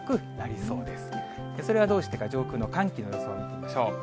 それはどうしてか、寒気の上空の予想を見てみましょう。